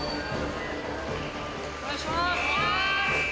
お願いします！